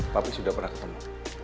papi sudah pernah ketemu